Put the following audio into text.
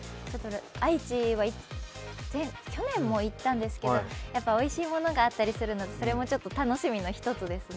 愛知は去年も行ったんですけど、おいしいものがあったりするので、それも楽しみの一つですね。